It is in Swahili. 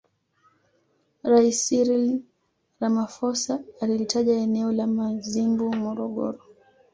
Rais Cyril Ramaphosa alilitaja eneo la Mazimbu Morogoro